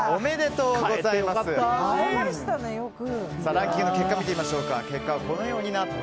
ランキングの結果見てみましょう。